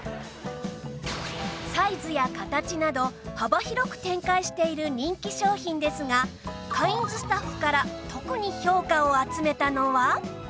サイズや形など幅広く展開している人気商品ですがカインズスタッフから特に評価を集めたのは